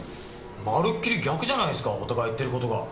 まるっきり逆じゃないですかお互い言ってる事が。